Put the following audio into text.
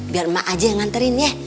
biar emak aja yang nganterin ya